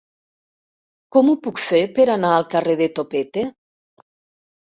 Com ho puc fer per anar al carrer de Topete?